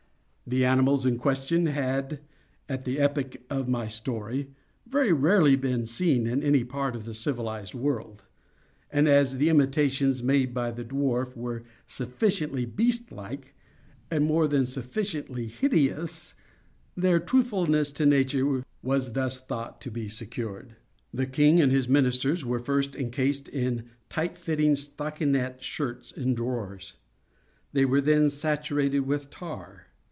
The animals in question had, at the epoch of my story, very rarely been seen in any part of the civilized world; and as the imitations made by the dwarf were sufficiently beast like and more than sufficiently hideous, their truthfulness to nature was thus thought to be secured. The king and his ministers were first encased in tight fitting stockinet shirts and drawers. They were then saturated with tar.